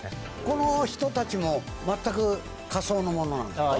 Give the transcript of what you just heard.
この人たちも全く仮想のものなんですか？